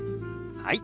はい。